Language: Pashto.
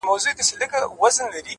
هوښیار انسان له تجربې نه ځواک اخلي,